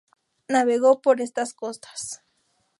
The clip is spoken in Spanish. Navegó por estas costas.